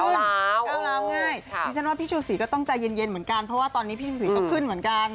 ก้าวร้าวง่ายดิฉันว่าพี่ชูศรีก็ต้องใจเย็นเหมือนกันเพราะว่าตอนนี้พี่ชูศรีก็ขึ้นเหมือนกัน